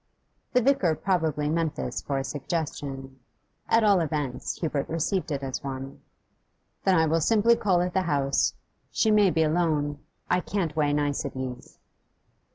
The vicar probably meant this for a suggestion; at all events, Hubert received it as one. 'Then I will simply call at the house. She may be alone. I can't weigh niceties.